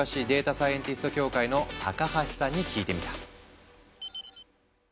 サイエンティスト協会の高橋さんに聞いてみた。